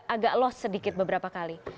agak lost sedikit beberapa kali